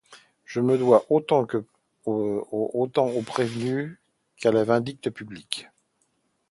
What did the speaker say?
Je me dois autant au prévenu qu’à la vindicte publique.